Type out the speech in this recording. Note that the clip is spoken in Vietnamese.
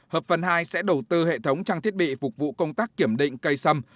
hợp phần hai sẽ đầu tư hệ thống trang thiết bị phục vụ công tác kiểm định cây sâm